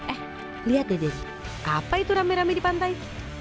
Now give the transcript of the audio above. eh lihat deh des apa itu rame rame di pantai